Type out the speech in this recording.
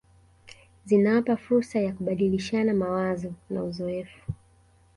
Zinawapa fursa ya kubadilishana mawazo na uzoefu